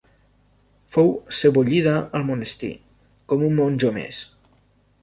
Fou sebollida al monestir, com un monjo més.